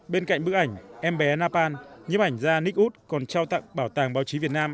bên cạnh bức ảnh em bé napan nhiếp ảnh gia nick wood còn trao tặng bảo tàng báo chí việt nam